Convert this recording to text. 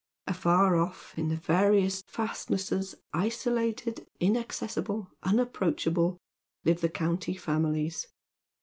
Afar off in their various fast nesses, isolated, inaccessible, unapproachable, live the county f amihes.